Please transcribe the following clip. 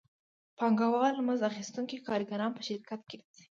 پانګوال مزد اخیستونکي کارګران په شرکت کې نیسي